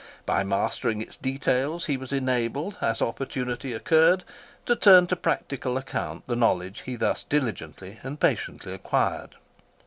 By mastering its details, he was enabled, as opportunity occurred, to turn to practical account the knowledge he thus diligently and patiently acquired.